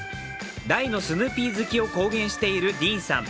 大のスヌーピー好きを公言しているディーンさん。